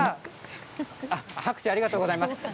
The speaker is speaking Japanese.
拍手ありがとうございます。